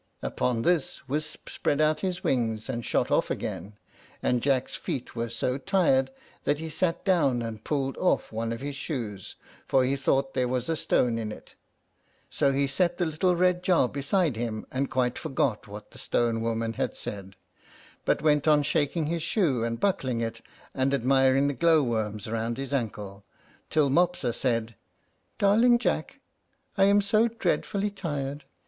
Upon this Wisp spread out his wings, and shot off again; and Jack's feet were so tired that he sat down, and pulled off one of his shoes, for he thought there was a stone in it. So he set the little red jar beside him, and quite forgot what the stone woman had said, but went on shaking his shoe, and buckling it, and admiring the glowworms round his ankle, till Mopsa said, "Darling Jack, I am so dreadfully tired!